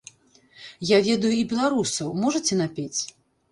Я ведаю і беларусаў, можаце напець?